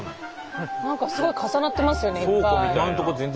何かすごい重なってますよねいっぱい。